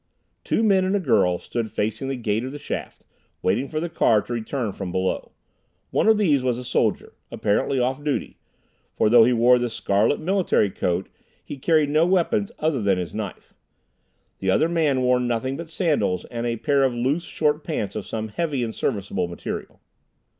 Two men and a girl stood facing the gate of the shaft, waiting for the car to return from below. One of these was a soldier, apparently off duty, for though he wore the scarlet military coat he carried no weapons other than his knife. The other man wore nothing but sandals and a pair of loose short pants of some heavy and serviceable material.